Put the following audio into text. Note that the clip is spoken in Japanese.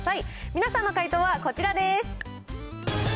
皆さんの解答はこちらです。